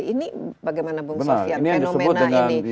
ini bagaimana bung sofian fenomena ini